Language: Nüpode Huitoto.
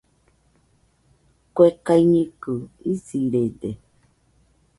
Kue kaiñɨkɨ isirede